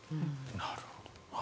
なるほど。